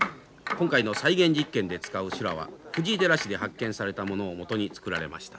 今回の再現実験で使う修羅は藤井寺市で発見されたものを基に作られました。